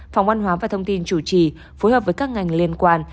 phòng văn hóa và thông tin chủ trì phối hợp với các ngành liên quan